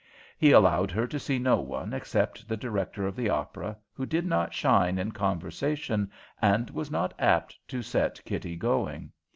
He allowed her to see no one except the Director of the Opera, who did not shine in conversation and was not apt to set Kitty going.